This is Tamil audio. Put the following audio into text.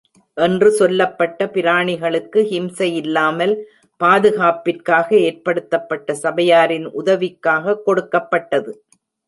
என்று சொல்லப்பட்ட, பிராணிகளுக்கு ஹிம்சையில்லாமல் பாதுகாப்பதற்காக ஏற்படுத்தப்பட்ட சபையாரின் உதவிக் காகக் கொடுக்கப்பட்டது.